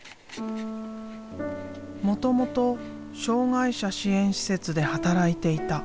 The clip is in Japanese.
もともと障害者支援施設で働いていた。